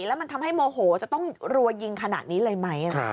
แล้วมันทำให้โมโหจะต้องรัวยิงขนาดนี้เลยไหม